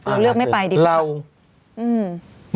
เราเลือกไม่ไปดีกว่าครับอืมอืม